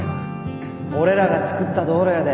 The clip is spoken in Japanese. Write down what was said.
俺らが造った道路やで